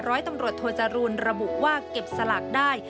ร้อยตำรวจโทจรูลระบุว่าเก็บสลากได้